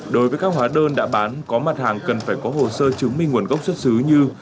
đối với các hóa đơn đã bán có mặt hàng cần phải có hồ sơ chứng minh nguồn gốc xuất xứ như